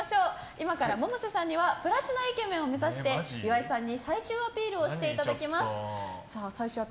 今から百瀬さんにはプラチナイケメンを目指して岩井さんに最終アピールをしていただきます。